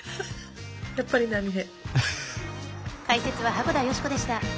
やっぱり波平。